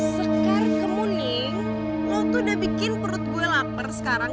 segar kemuning lo tuh udah bikin perut gue lapar sekarang